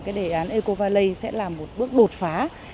cái đề án eco valley sẽ là một bước đột phá